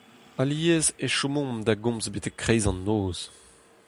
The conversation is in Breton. Alies e chomomp da gomz betek kreiz an noz.